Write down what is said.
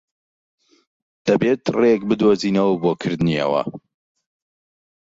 دەبێت ڕێیەک بدۆزینەوە بۆ کردنی ئەوە.